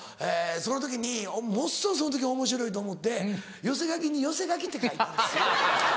その時にものすごいその時おもしろいと思って寄せ書きに「寄せ書き」って書いたんです。